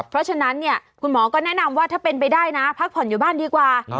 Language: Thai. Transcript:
เพราะฉะนั้นเนี่ยคุณหมอก็แนะนำว่าถ้าเป็นไปได้นะพักผ่อนอยู่บ้านดีกว่า